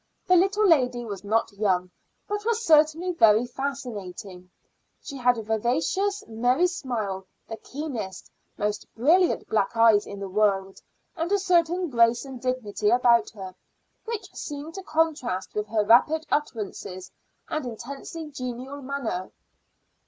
The little lady was not young, but was certainly very fascinating. She had a vivacious, merry smile, the keenest, most brilliant black eyes in the world, and a certain grace and dignity about her which seemed to contrast with her rapid utterances and intensely genial manner.